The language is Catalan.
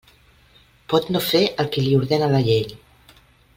Pot no fer el que li ordena la llei.